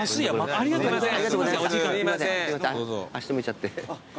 ありがとうございます。